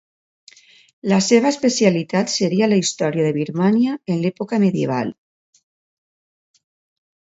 La seva especialitat seria la història de Birmània en l'època medieval.